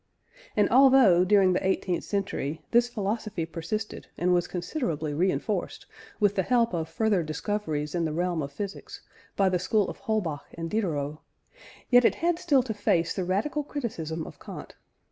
And although, during the eighteenth century, this philosophy persisted, and was considerably reinforced (with the help of further discoveries in the realm of physics) by the school of Holbach and Diderot, yet it had still to face the radical criticism of Kant.